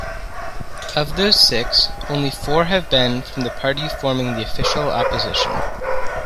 Of those six, only four have been from the party forming the Official Opposition.